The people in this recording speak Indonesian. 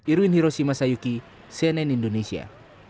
irwin hiroshima sayuki cnn indonesia